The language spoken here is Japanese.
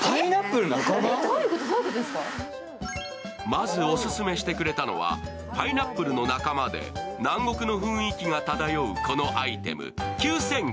まずお勧めしてくれたのは、パイナップルの仲間で南国の雰囲気が漂うこのアイテム９９００円。